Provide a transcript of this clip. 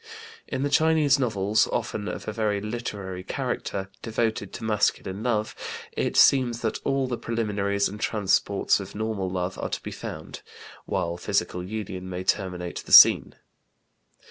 In the Chinese novels, often of a very literary character, devoted to masculine love, it seems that all the preliminaries and transports of normal love are to be found, while physical union may terminate the scene.